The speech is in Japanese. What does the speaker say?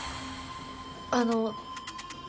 あの。